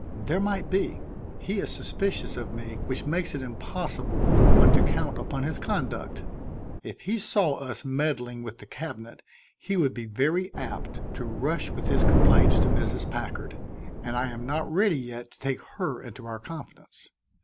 "There might be. He is suspicious of me, which makes it impossible for one to count upon his conduct. If he saw us meddling with the cabinet, he would be very apt to rush with his complaints to Mrs. Packard, and I am not ready yet to take her into our confidence.